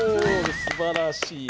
すばらしい。